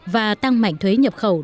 và tăng mảnh thuế nhập khẩu